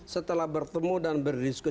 setelah berjumpa menyemblallah